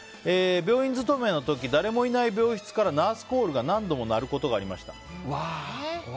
病院勤めの時誰もいない病室からナースコールが何度も鳴ることがありました。